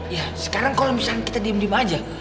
ya sekarang kalau misalnya kita diem diem aja